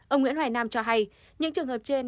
ông nguyễn hoài nam cho hay những trường hợp trên